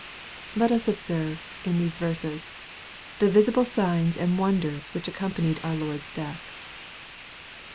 Let us observe, in these verses, the vsible signs and wonders which accompanied our Lord's death.